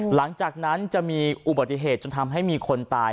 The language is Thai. หลังจากนั้นจะมีอุบัติเหตุจนทำให้มีคนตาย